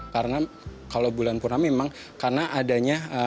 karena kalau bulan purna memang karena adanya